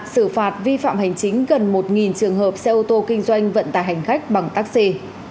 xử phạt vi phạm hành chính gần một trường hợp xe ô tô kinh doanh vận tài hành khách bằng taxi